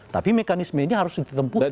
tapi mekanisme ini harus ditempuhkan